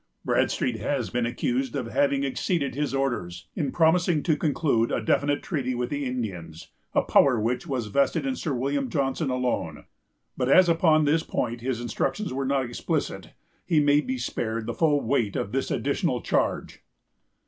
Bradstreet has been accused of having exceeded his orders, in promising to conclude a definite treaty with the Indians, a power which was vested in Sir William Johnson alone; but as upon this point his instructions were not explicit, he may be spared the full weight of this additional charge.